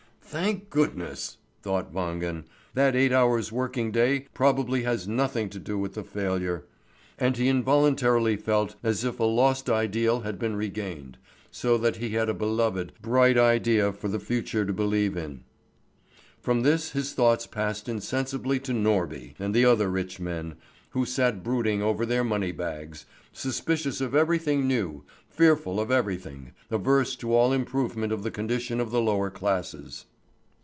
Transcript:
"Thank goodness!" thought Wangen, "that eight hours' working day probably has nothing to do with the failure." And he involuntarily felt as if a lost ideal had been regained, so that he had a beloved, bright idea for the future to believe in. From this his thoughts passed insensibly to Norby and the other rich men, who sat brooding over their money bags, suspicious of everything new, fearful of everything, averse to all improvement of the condition of the lower classes.